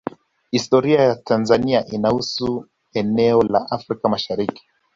Historia ya Tanzania inahusu eneo la Afrika Mashariki